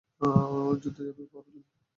যুদ্ধে ঝাঁপিয়ে পড়লেন।